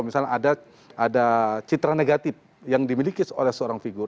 misalnya ada citra negatif yang dimiliki oleh seorang figur